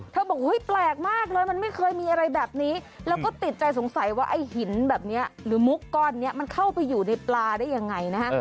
บอกเฮ้ยแปลกมากเลยมันไม่เคยมีอะไรแบบนี้แล้วก็ติดใจสงสัยว่าไอ้หินแบบนี้หรือมุกก้อนนี้มันเข้าไปอยู่ในปลาได้ยังไงนะฮะ